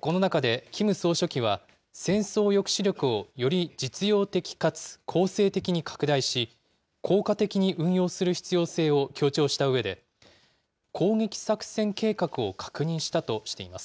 この中でキム総書記は、戦争抑止力をより実用的かつ攻勢的に拡大し、効果的に運用する必要性を強調したうえで、攻撃作戦計画を確認したとしています。